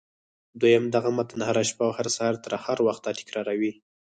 دويم دغه متن هره شپه او هر سهار تر هغه وخته تکراروئ.